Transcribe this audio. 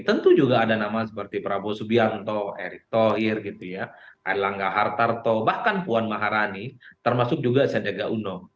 tentu juga ada nama seperti prabowo subianto erick thohir elangga hartarto bahkan puan maharani termasuk juga seda gauno